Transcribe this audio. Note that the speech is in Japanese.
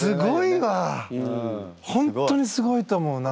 ホントにすごいと思うな。